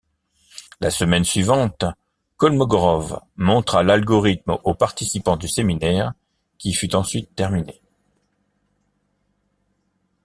La semaine suivante, Kolmogorov montra l'algorithme aux participants du séminaire, qui fut ensuite terminé.